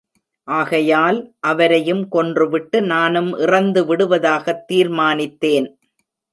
ஆகையால் அவரையும் கொன்று விட்டு நானும் இறந்து விடுவதாகத் தீர்மானித்தேன்.